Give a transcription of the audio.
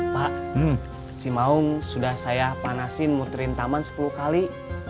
pak simaung sudah saya panasin muterin taman sepuluh kali